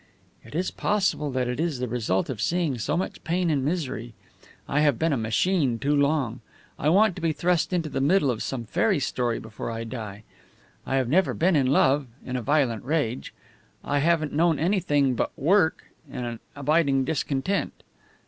"It is possible that it is the result of seeing so much pain and misery. I have been a machine too long. I want to be thrust into the middle of some fairy story before I die. I have never been in love, in a violent rage. I haven't known anything but work and an abiding discontent.